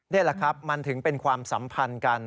นี่แหละครับมันถึงเป็นความสัมพันธ์กัน